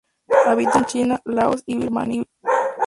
Habita en China, Laos y Birmania.